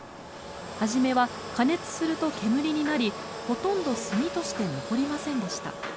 初めは加熱すると煙になりほとんど炭として残りませんでした。